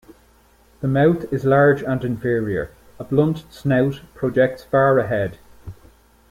The mouth is large and inferior; a blunt snout projects far ahead.